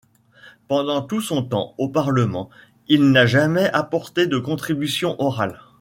Pendant tout son temps au parlement, il n'a jamais apporté de contribution orale.